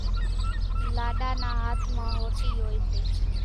لاڏا نا هاٿ مان ۿوٽِي هوئيَ سي۔